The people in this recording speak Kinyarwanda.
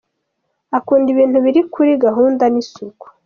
Akunda ibintu biri kuri gahunda n’isuku.